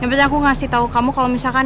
yang penting aku ngasih tau kamu kalau misalkan